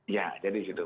ya jadi gitu